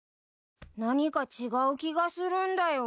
何か違う気がするんだよ。